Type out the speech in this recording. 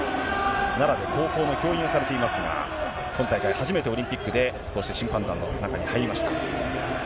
奈良で高校の教員をされていますが、今大会初めて、オリンピックでこうして審判団の中に入りました。